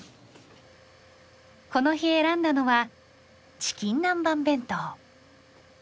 この日選んだのはチキン南蛮弁当。